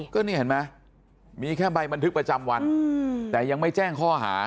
ก็นี่เห็นไหมมีแค่ใบบันทึกประจำวันแต่ยังไม่แจ้งข้อหา